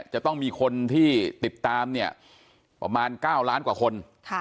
จะต้องมีคนที่ติดตามเนี่ยประมาณ๙ล้านกว่าคน